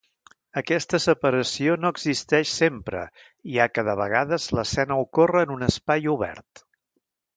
Aquesta separació no existeix sempre, ja que de vegades l'escena ocorre en un espai obert.